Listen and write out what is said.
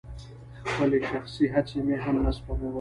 خپلې شخصي هڅې مې هم نه سپمولې.